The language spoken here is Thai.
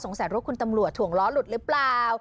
ว่าคุณตำรวจถ่วงล้อหลุดหรือเปล่า